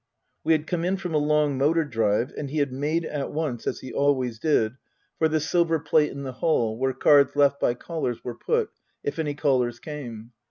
We had come in from a long motor drive, and he had made at once, as he always did, for the silver plate in the hall where cards left by callers were put, if any callers came.